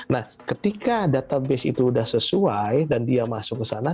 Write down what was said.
nah ketika database itu sudah sesuai dan dia masuk ke sana